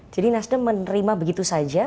jadi nasdem menerima begitu saja